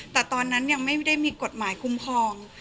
แต่ตอนนั้นยังไม่ได้มีกฎหมายคุ้มครอง